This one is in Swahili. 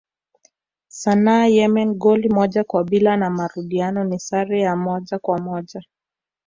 Sanaa Yemen goli moja kwa bila na marudiano ni sare ya moja kwa moja